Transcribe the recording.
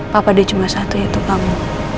papa dia cuma satu yaitu kamu